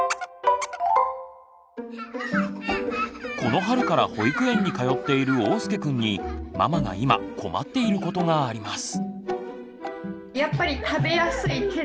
この春から保育園に通っているおうすけくんにママが今困っていることがあります。